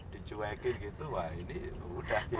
dicuekin wah ini sudah